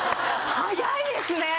早いですね！